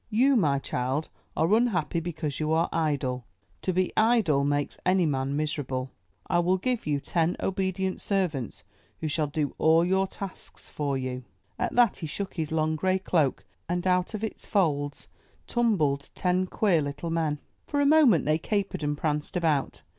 You, my child, are unhappy because you are idle. To be idle makes any man miserable. I will give you ten obedient servants who shall do all your tasks for you." At that he shook his long, gray cloak, and out of its folds tumbled ten queer little men. For a moment they capered and pranced about.